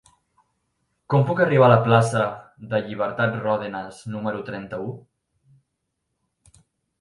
Com puc arribar a la plaça de Llibertat Ròdenas número trenta-u?